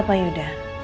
halo pak yudha